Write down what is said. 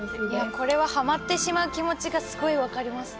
これはハマってしまう気持ちがすごい分かります。